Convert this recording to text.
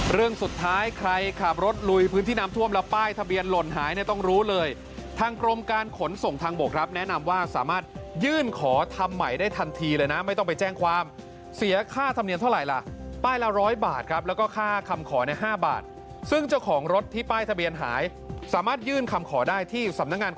เรื่องสุดท้ายใครขับรถลุยพื้นที่น้ำท่วมแล้วป้ายทะเบียนหล่นหายเนี่ยต้องรู้เลยทางกรมการขนส่งทางบกครับแนะนำว่าสามารถยื่นขอทำใหม่ได้ทันทีเลยนะไม่ต้องไปแจ้งความเสียค่าธรรมเนียมเท่าไหร่ล่ะป้ายละร้อยบาทครับแล้วก็ค่าคำขอใน๕บาทซึ่งเจ้าของรถที่ป้ายทะเบียนหายสามารถยื่นคำขอได้ที่สำนักงานก